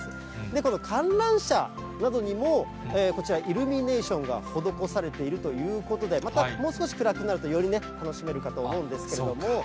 この観覧車などにも、こちら、イルミネーションが施されているということで、また、もう少し暗くなると、より楽しめるかと思うんですけれども。